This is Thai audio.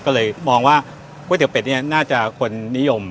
ก็เลยมองว่าก๋วยเตี๋ยเป็ดเนี่ยน่าจะคนนิยม